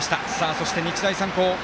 そして、日大三高。